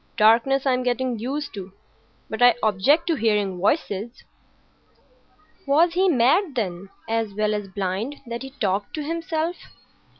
Darkness I'm getting used to; but I object to hearing voices." Was he mad, then, as well as blind, that he talked to himself?